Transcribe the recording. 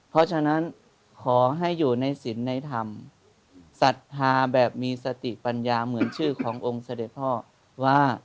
เพราะฉะนั้นขอให้อยู่ในศิลป์ในธรรมศรัทธาแบบมีสติปัญญาเหมือนชื่อขององค์เสด็จพ่อว่า